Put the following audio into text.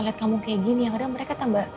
lihat kamu kayak gini akhirnya mereka tambah